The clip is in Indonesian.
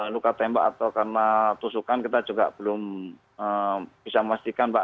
luka tembak atau karena tusukan kita juga belum bisa memastikan pak